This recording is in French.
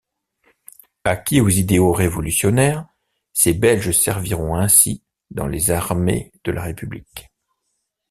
Acquis aux idéaux révolutionnaires, ces Belges serviront ainsi dans les armées de la République.